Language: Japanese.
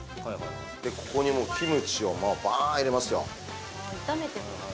ここにもうキムチをバーン入れますようわ